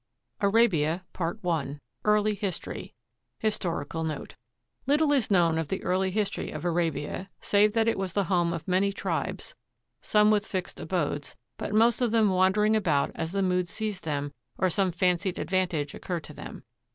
ARABIA I EARLY HISTORY HISTORICAL NOTE Little is known of the early history of Arabia, save that it was the home of many tribes, some with fixed abodes, but most of them wandering about as the mood seized them or some fancied advantage occurred to them.